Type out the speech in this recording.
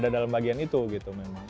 ada dalam bagian itu gitu memang